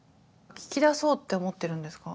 聞き出そうって思ってるんですか？